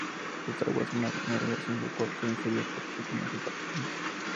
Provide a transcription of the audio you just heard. Sus aguas son navegables en su curso inferior por pequeñas embarcaciones.